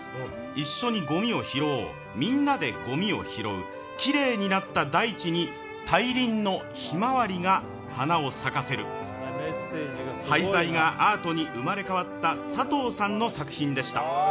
一緒にごみを拾おう、みんなでごみを拾う、きれいになった大地に大輪のひまわりが花を咲かせる、廃材がアートに生まれ変わった佐藤さんの作品でした。